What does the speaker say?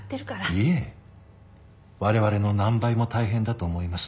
いえ我々の何倍も大変だと思います。